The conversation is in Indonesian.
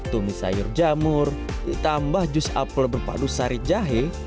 tumis sayur jamur ditambah jus apel berpadu sari jahe